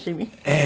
ええ。